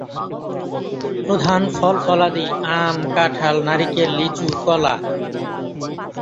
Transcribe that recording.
প্রধান ফল-ফলাদি আম, কাঁঠাল, নারিকেল, লিচু, কলা।